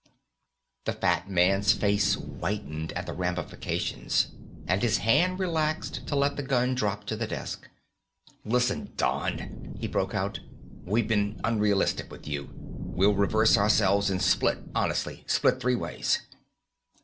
The fat man's face whitened at the ramifications and his hand relaxed to let the gun drop to the desk. "Listen, Don," he broke out. "We've been unrealistic with you. We'll reverse ourselves and split, honestly split three ways."